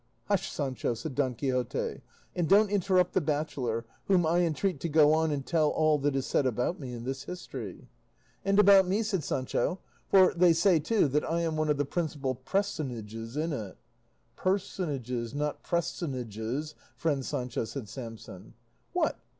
"Hush, Sancho," said Don Quixote, "and don't interrupt the bachelor, whom I entreat to go on and tell all that is said about me in this history." "And about me," said Sancho, "for they say, too, that I am one of the principal presonages in it." "Personages, not presonages, friend Sancho," said Samson. "What!